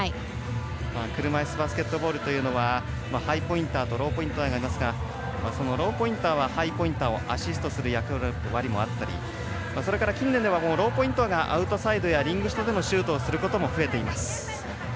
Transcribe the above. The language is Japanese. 車いすバスケットボールというのはハイポインターとローポインターがいますがそのローポインターはハイポインターをアシストする役割もあったりそれから近年ではローポインターがアウトサイドやリング下でのシュートをすることも増えています。